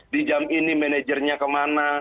di jam ini manajernya kemana